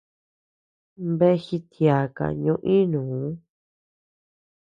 Bea jityaaka ñoo iinuu.